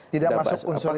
tidak masuk unsur itu ya